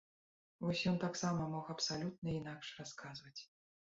Вось ён таксама мог абсалютна інакш расказваць.